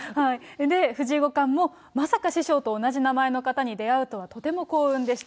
藤井五冠も、まさか師匠と同じ名前の方に出会うとは、とても幸運でした。